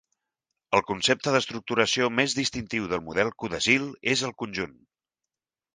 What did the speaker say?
El concepte d'estructuració més distintiu del model Codasyl és el conjunt.